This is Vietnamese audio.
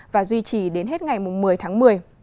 và duy trì đến hết ngày một mươi tháng một mươi